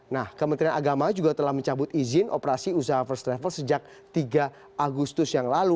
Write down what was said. nah kementerian agama juga telah mencabut izin operasi usaha first travel sejak tiga agustus yang lalu